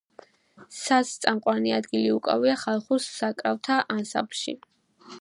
საზს წამყვანი ადგილი უკავია ხალხურ საკრავთა ანსამბლში.